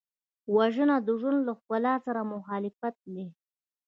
وژنه د ژوند له ښکلا سره مخالفت دی